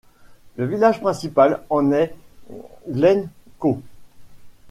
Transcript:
Le village principal en est Glencoe.